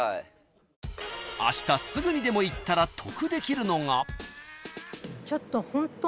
［あしたすぐにでも行ったら得できるのが］